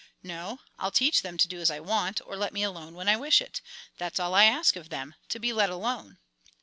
"No, I'll teach them to do as I want, or let me alone when I wish it. That's all I ask of them, to be let alone."